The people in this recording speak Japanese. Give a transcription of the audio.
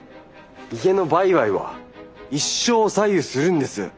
家の売買は一生を左右するんです。